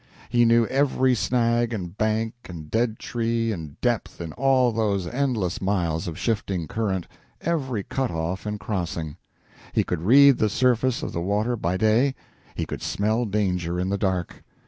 He knew every snag and bank and dead tree and depth in all those endless miles of shifting current, every cut off and crossing. He could read the surface of the water by day, he could smell danger in the dark.